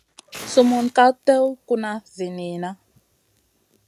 Sumun ka tèw kuna zi niyna.